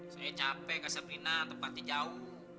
saya capek kak sabrina tempatnya jauh